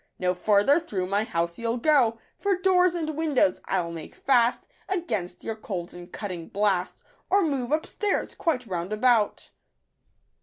No further through my house you'll go ; For doors and windows I'll make fast Against your cold and cutting blast ; Or move up stairs, quite round about."